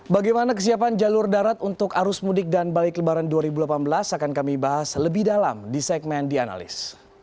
bagaimana kesiapan jalur darat untuk arus mudik dan balik lebaran dua ribu delapan belas akan kami bahas lebih dalam di segmen the analyst